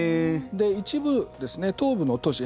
一部東部の都市